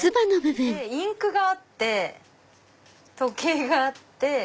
でインクがあって時計があって。